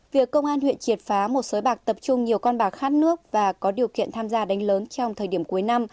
việc công an huyện triệt phá một sới bạc tập trung nhiều con bạc khát nước và có điều kiện tham gia đánh lớn trong thời điểm cuối năm